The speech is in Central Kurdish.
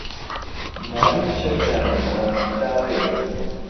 ناوی کچەکەیان نا لاوێن